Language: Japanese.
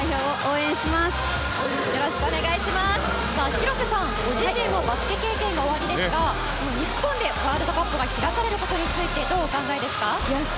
広瀬さん、ご自身もバスケ経験がおありですが日本でワールドカップが開かれることについてどうお考えですか？